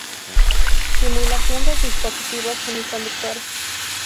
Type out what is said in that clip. Simulación de dispositivos semiconductores.